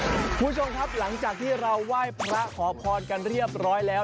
คุณผู้ชมครับหลังจากที่เราไหว้พระขอพรกันเรียบร้อยแล้ว